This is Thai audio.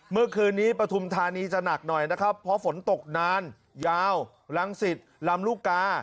เมื่อคืนนี้ปฐุมธานีจะหนักหน่อยนะครับเพราะฝนตกนานยาวรังสิตลำลูกกา